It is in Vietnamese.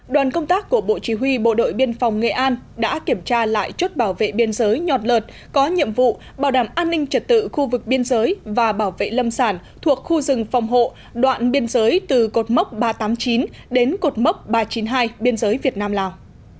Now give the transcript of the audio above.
đoàn công tác của bộ chỉ huy bộ đội biên phòng nghệ an đã kiểm tra lại chốt bảo vệ biên giới nhọt lợt có nhiệm vụ bảo đảm an ninh trật tự khu vực biên giới và bảo vệ lâm sản thuộc khu rừng phòng hộ đoạn biên giới từ cột mốc ba trăm tám mươi chín đến cột mốc ba trăm chín mươi hai biên giới việt nam lào